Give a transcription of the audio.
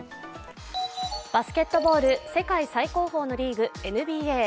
バスケットボール世界最高峰のリーグ、ＮＢＡ。